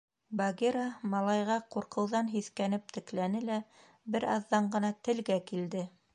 Багира малайға ҡурҡыуҙан һиҫкәнеп текләне лә бер аҙҙан ғына телгә килде.